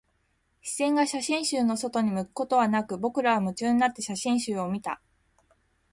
視線が写真集の外に向くことはなく、僕らは夢中になって写真集を見た